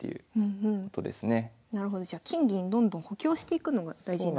なるほどじゃあ金銀どんどん補強していくのが大事なんですね。